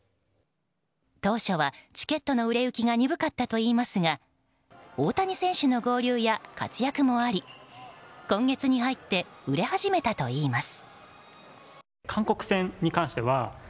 当初はチケットの売れ行きが鈍かったといいますが大谷選手の合流や活躍もあり今月に入って売れ始めたといいます。